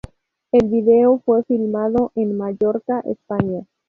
El video fue filmado en Mallorca, España.